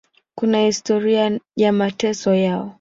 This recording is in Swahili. Kuna historia ya mateso yao.